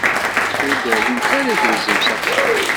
Ur d-rrint ara agelzim s axxam.